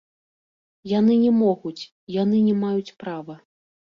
Яны не могуць, яны не маюць права.